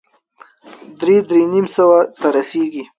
درې- درې نيم سوه ته رسېږي.